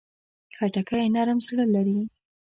خټکی نرم زړه لري.